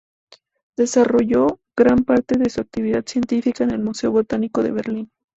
Desarrolló gran parte de su actividad científica en el Museo Botánico de Berlín.